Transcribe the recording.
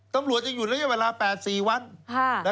ตำรวจจะหยุดระยะเวลา๘๔วัน